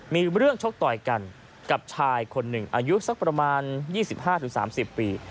มีเรื่องชกต่อยกันกับชายคนหนึ่งอายุสักประมาณ๒๕๓๐ปี